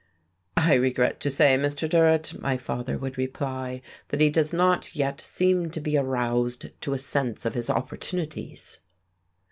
"I regret to say, Mr. Durrett," my father would reply, "that he does not yet seem to be aroused to a sense of his opportunities."